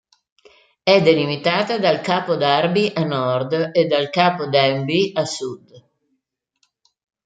È delimitata dal Capo Darby a nord e dal Capo Denbigh a sud.